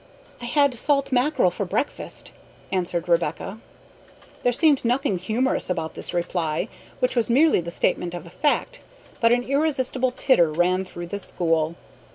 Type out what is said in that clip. "I had salt mackerel for breakfast," answered Rebecca. There seemed nothing humorous about this reply, which was merely the statement of a fact, but an irrepressible titter ran through the school.